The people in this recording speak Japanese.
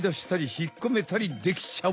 引っ込めたりできちゃう！